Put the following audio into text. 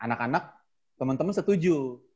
anak anak temen temen setuju